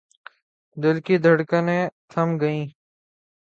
دل کی دھڑکنیں تھم گئیں۔